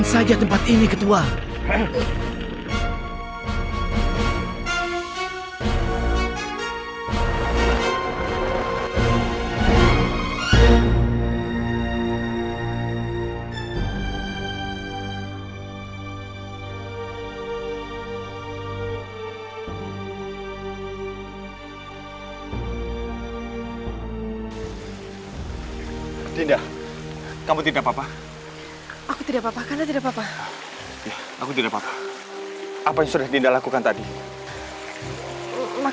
sampai jumpa di video selanjutnya